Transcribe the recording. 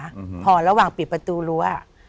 ห์พอระหว่างปิดประตูตัว